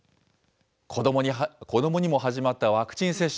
子どもにも始まったワクチン接種。